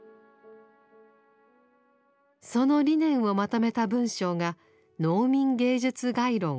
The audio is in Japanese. その理念をまとめた文章が「農民芸術概論綱要」です。